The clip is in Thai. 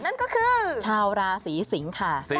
นั่นก็คือชาวราศีสิงค่ะ